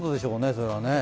それはね。